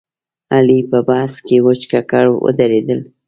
علي په بحث کې وچ ککړ ودرېدل.